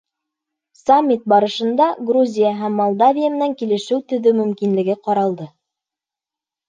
Саммит барышында Грузия һәм Молдавия менән килешеү төҙөү мөмкинлеге ҡаралды.